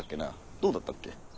どうだったっけ？